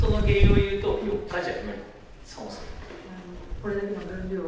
これだけの分量を？